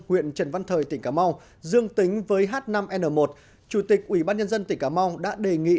huyện trần văn thời tỉnh cà mau dương tính với h năm n một chủ tịch ubnd tỉnh cà mau đã đề nghị